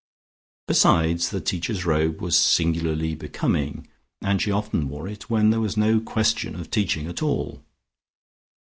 Besides the Teacher's Robe was singularly becoming and she often wore it when there was no question of teaching at all.